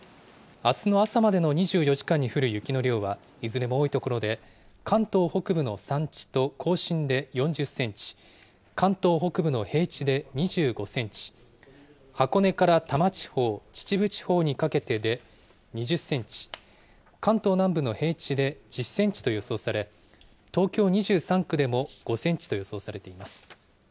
あすの朝までの２４時間に降る雪の量は、いずれも多い所で、関東北部の山地と甲信で４０センチ、関東北部の平地で２５センチ、箱根から多摩地方、秩父地方にかけてで２０センチ、関東南部の平地で１０センチと予想され、東京２３区でも５センチと予想されています。